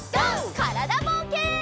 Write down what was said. からだぼうけん。